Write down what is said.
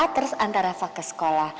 terus antar reva ke sekolah